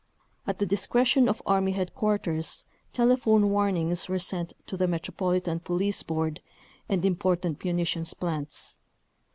At the discretion of Army headquarters telephone warnings were sent to the Metropolitan Police board and im portant munitions plants.